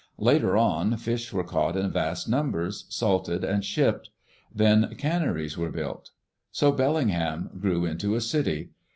Later on fish were caught in vast numbers, salted, and shipped; then can neries were built. So Bellingham grew into a city.